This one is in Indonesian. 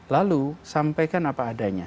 lalu sampaikan apa adanya